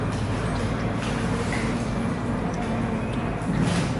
جب تک کہ نظر ثانی اپیل پہ فیصلہ نہ ہوجائے۔